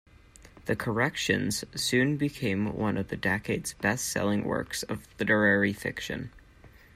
"The Corrections" soon became one of the decade's best-selling works of literary fiction.